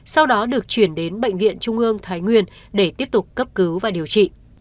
sau đó được chuyển đến bệnh viện trung ương thái nguyên để tiếp tục cấp cứu và điều trị